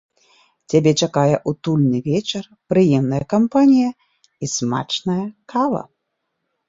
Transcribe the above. Цябе чакае утульны вечар, прыемная кампанія і смачная кава.